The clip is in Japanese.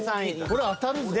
これ当たるぞ。